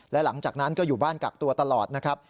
และหลังจากนั้นก็อยู่บ้านกักตัวตลอดนะครับ